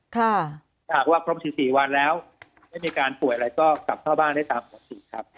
ถ้าพร้อม๑๔วันแล้วไม่มีการป่วยอะไรก็กลับเข้าบ้านได้ตามปฏิสิทธิ์ครับ